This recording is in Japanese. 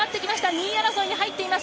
２位争いに入っています。